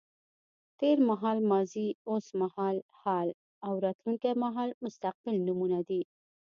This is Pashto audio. تېر مهال ماضي، اوس مهال حال او راتلونکی مهال مستقبل نومونه دي.